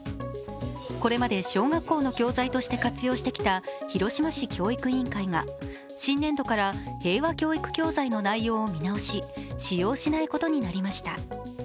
これまで小学校の教材として活用してきた広島市教育委員会が新年度から平和教育教材の内容を見直し、使用しないことになりました。